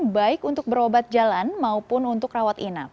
baik untuk berobat jalan maupun untuk rawat inap